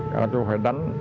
các chú phải đánh